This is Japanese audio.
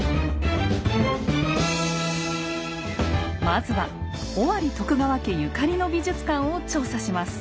まずは尾張徳川家ゆかりの美術館を調査します。